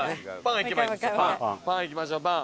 パンいきましょうパン。